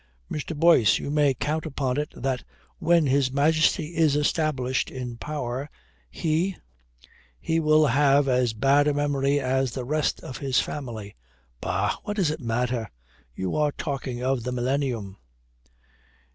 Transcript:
"Mr. Boyce, you may count upon it that when His Majesty is established in power, he " "He will have as bad a memory as the rest of his family. Bah, what does it matter? You are talking of the millennium."